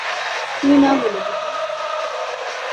তুমি না বলে দিতে।